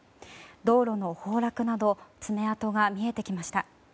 道路の崩落など爪痕が見えてきました。